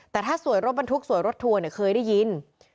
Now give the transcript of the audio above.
แต่ถ้าสวยรถบรรทุกสวยรถทัวร์เคยได้ยิน